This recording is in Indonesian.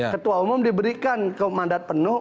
ketua umum diberikan ke mandat penuh